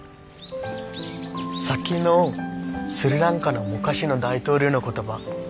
さっきのスリランカの昔の大統領の言葉